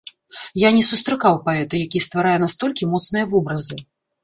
Я не сустракаў паэта, які стварае настолькі моцныя вобразы.